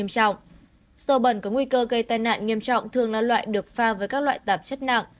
dầu bẩn có nguy cơ gây tai nạn nghiêm trọng thường là loại được pha với các loại tạp chất nặng